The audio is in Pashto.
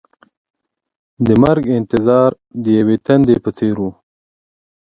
د مرګ انتظار د یوې تندې په څېر و.